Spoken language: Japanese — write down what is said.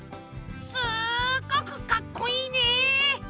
すっごくかっこいいね！